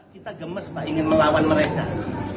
kita gemes pak ingin melawan mereka